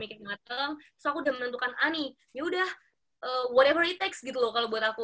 maksudnya mikir mateng terus aku udah menentukan ani yaudah whatever it takes gitu loh kalo buat aku